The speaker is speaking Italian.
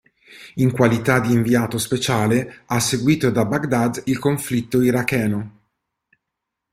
In qualità di inviato speciale, ha seguito da Baghdad il conflitto iracheno.